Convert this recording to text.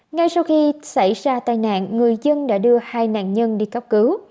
ngay sau khi xảy ra tai nạn người dân đã đưa hai nạn nhân đi cấp cứu